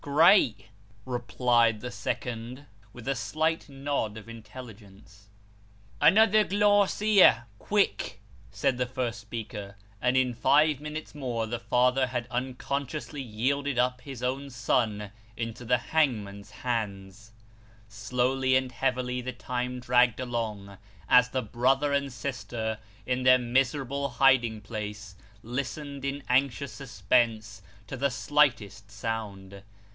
" Great," replied the second, with a slight nod of intelligence. " Another glass here ; quick " said the first speaker. And in five minutes more, the father had unconsciously yielded up his own son into the hangman's hands. 374 Sketches by Bos. Slowly and heavily the time dragged along, as the brother and sister, in their miserable hiding place, listened in anxious suspense to the slightest sound.